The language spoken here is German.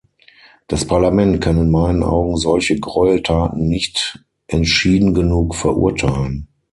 Das Parlament kann in meinen Augen solche Gräueltaten nicht entschieden genug verurteilen.